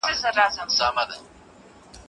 څېړونکي وايي خطرونه کمزوري شواهد لري.